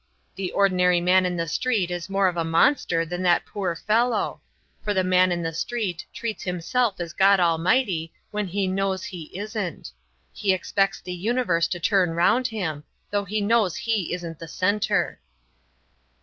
The ordinary man in the street is more of a monster than that poor fellow; for the man in the street treats himself as God Almighty when he knows he isn't. He expects the universe to turn round him, though he knows he isn't the centre."